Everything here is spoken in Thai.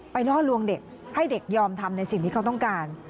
ล่อลวงเด็กให้เด็กยอมทำในสิ่งที่เขาต้องการ